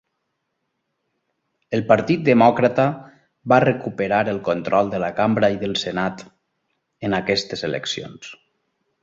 El Partit Demòcrata va recuperar el control de la Cambra i del Senat en aquestes eleccions.